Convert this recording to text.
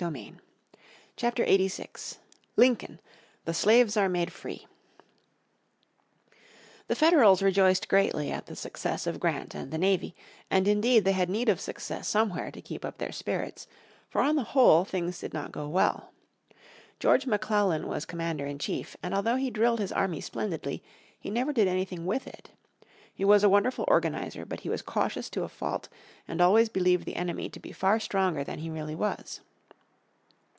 __________ Chapter 86 Lincoln The Slaves are Made Free The Federals rejoiced greatly at the successes of Grant and the navy, and indeed they had need of success somewhere to keep up their spirits, for on the whole things did not go well. George McClellan was commander in chief, and although he drilled his army splendidly he never did anything with it. He was a wonderful organiser, but he was cautious to a fault, and always believed the enemy to be far stronger than he really was.